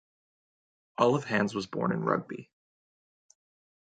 Olive Hands was born in Rugby.